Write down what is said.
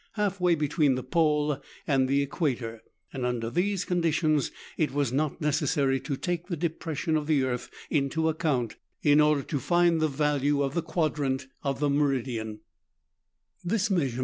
half way between the pole and the equator ; and under these conditions it was not necessary to take the depression of the earth into account in order to find the value of the THREE ENGLISHMEN AND THREE RUSSIANS.